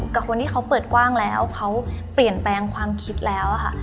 กับคนที่เขาเปิดกว้างแล้วเขาเปลี่ยนแปลงความคิดแล้วค่ะ